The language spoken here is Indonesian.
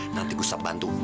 nanti gustaf bantu